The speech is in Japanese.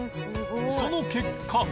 その結果